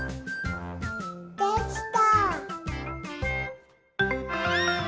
できた！